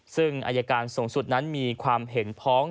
ซึ่งอายการสูงสุดนั้นมีความเห็นพ้อง